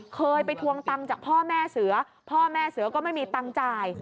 เคยไปทวงตังค์จากพ่อแม่เสือพ่อแม่เสือก็ไม่มีตังค์จ่าย